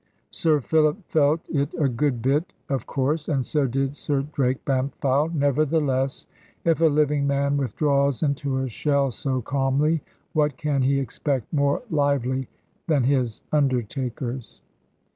Sir Philip felt it a good bit, of course; and so did Sir Drake Bampfylde. Nevertheless, if a living man withdraws into a shell so calmly, what can he expect more lively than his undertakers?